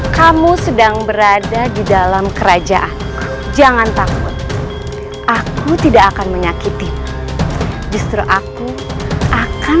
kamu sedang berada di dalam kerajaan jangan takut aku tidak akan menyakiti justru aku akan